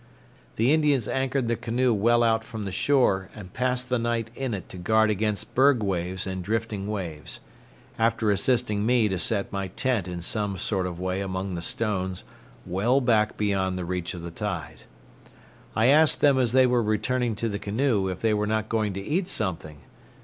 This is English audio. The Indians anchored the canoe well out from the shore and passed the night in it to guard against berg waves and drifting waves, after assisting me to set my tent in some sort of way among the stones well back beyond the reach of the tide. I asked them as they were returning to the canoe if they were not going to eat something.